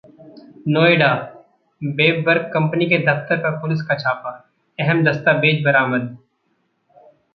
Noida web work company के दफ्तर पर पुलिस का छापा, अहम दस्तावेज बरामद